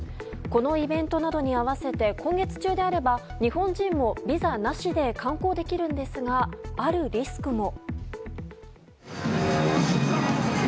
このイベントなどに合わせて今月中であれば日本人もビザなしで観光できるんですがあるリスクも。